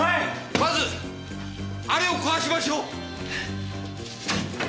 まずあれを壊しましょう！